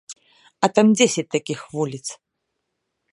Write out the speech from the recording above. А там дзесяць такіх вуліц!